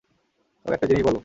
তবে একটা জিনিস বলো।